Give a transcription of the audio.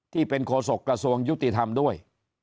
ที่เป็นโขศกกระทรวงยุติธรรมด้วย